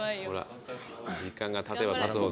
時間がたてばたつほど。